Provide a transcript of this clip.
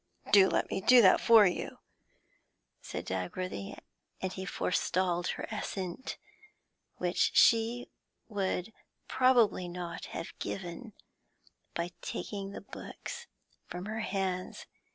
'Do let me do that for you,' said Dagworthy, and he forestalled her assent, which she would probably not have given, by taking the books from her hands.